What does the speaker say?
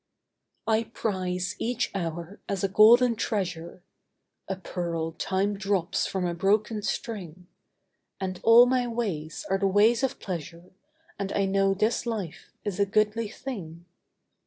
I prize each hour as a golden treasure— A pearl Time drops from a broken string: And all my ways are the ways of pleasure, And I know this life is a goodly thing.